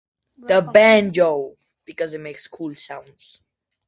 The banjo because it makes cool sounds.